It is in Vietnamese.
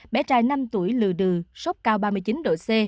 bé trai năm tuổi lừa đường sốc cao ba mươi chín độ c